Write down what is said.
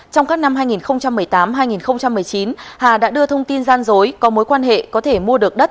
trong các năm hai nghìn một mươi tám hai nghìn một mươi chín hà đã đưa thông tin gian dối có mối quan hệ có thể mua được đất